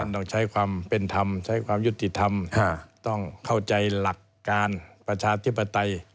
ต้องใช้ความเป็นธรรมใช้ความยุติธรรมต้องเข้าใจหลักการประชาธิปไตย